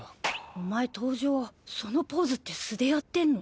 おまえ登場そのポーズって素でやってんの。